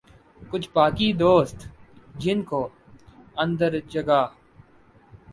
کچھ باقی دوست جن کو اندر جگہ